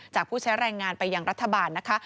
ผู้ใช้แรงงานไปยังรัฐบาลนะคะ